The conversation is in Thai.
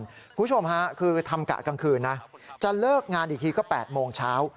คุณผู้ชมค่ะคือทำกะกลางคืนนะจะเลิกงานอีกทีก็๘โมงเช้า